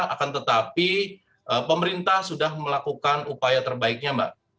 akan tetapi pemerintah sudah melakukan upaya terbaiknya mbak